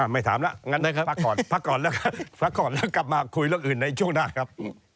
ไม่ถามแล้วงั้นพักก่อนแล้วกลับมาคุยเรื่องอื่นในช่วงหน้าครับ